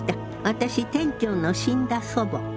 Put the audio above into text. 私店長の死んだ祖母。